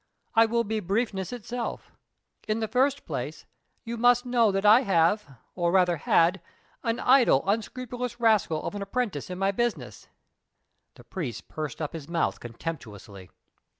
"I will be briefness itself. In the first place, you must know that I have or rather had an idle, unscrupulous rascal of an apprentice in my business." The priest pursed up his mouth contemptuously.